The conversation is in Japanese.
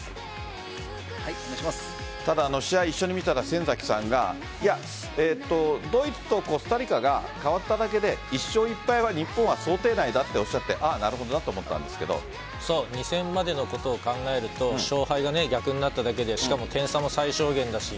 ただ、試合一緒に見たら先崎さんがドイツとコスタリカが変わっただけで１勝１敗は日本は想定内だとおっしゃって２戦までのことを考えると勝敗が逆になっただけで点差も最小限だし